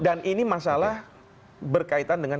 dan ini masalah berkaitan dengan